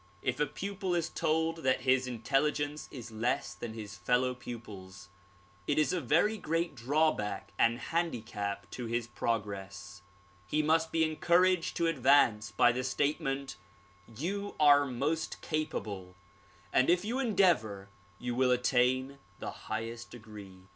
If a pupil is told that his intelligence is less than his fellow pupils, it is a very great drawback and handicap to his progress. He must be encouraged to advance, by the statement "You are most capable and if you endeavor you will attain the highest degree."